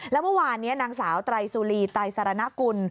แล้วเมื่อวานนี้นางสาวไตรสุรีไตรสารณกุล